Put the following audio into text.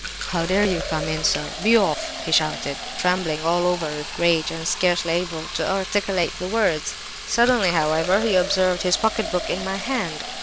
"'How dare you come in so? Be off!' he shouted, trembling all over with rage and scarcely able to articulate the words. Suddenly, however, he observed his pocketbook in my hand.